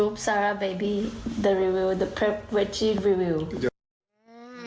คุณผู้ชมค่ะคุณผู้ชมค่ะ